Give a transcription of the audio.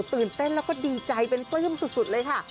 ตื่นเต้นแล้วก็ดีใจเป็นปลื้มสุดเลยค่ะ